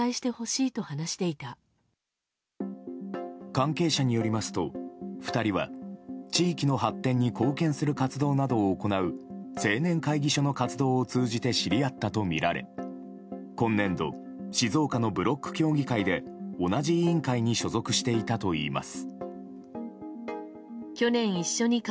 関係者によりますと２人は地域の発展に貢献する活動などを行う、青年会議所の活動を通じて知り合ったとみられ今年度、静岡のブロック協議会で同じ委員会に所属していたといいます。